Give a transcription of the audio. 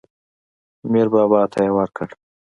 میر بابا ته یې ورکړ.